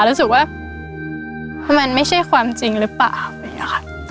รู้สึกว่ามันไม่ใช่ความจริงหรือเปล่า